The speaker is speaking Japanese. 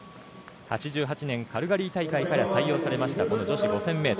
８８年カルガリー大会から採用されました女子５０００ｍ。